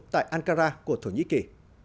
tại ankara của thổ nhĩ kỳ